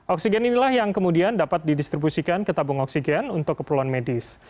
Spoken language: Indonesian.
oksigen inilah yang kemudian dapat didistribusikan ke tabung oksigen untuk keperluan medis